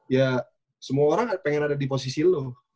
ya semua orang pengen ada di posisi lo